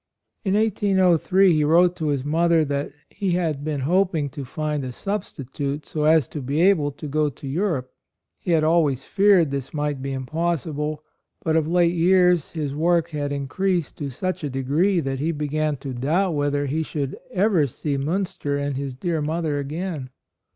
In 1803 he wrote to his mother that he had been hoping to find a substitute so as to be able to go to Europe ; he had always feared this might be impossible, but of late years his work had increased to such a degree that he began to doubt whether he should ever see Miinster and his dear mother again.